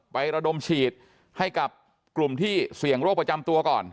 ระดมฉีดให้กับกลุ่มที่เสี่ยงโรคประจำตัวก่อน